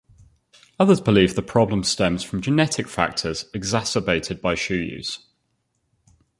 Others believe the problem stems from genetic factors, exacerbated by shoe use.